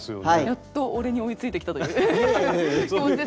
やっと俺に追いついてきたという気持ちですよね？